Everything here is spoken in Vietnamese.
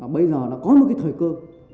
bây giờ nó có một cái thời cơ